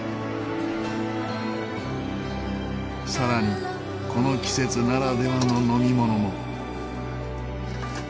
さらにこの季節ならではの飲み物も。